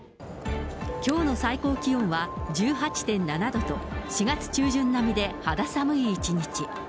きょうの最高気温は１８．７度と、４月中旬並みで肌寒い一日。